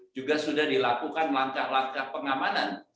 juga sudah dilakukan langkah langkah pengamanan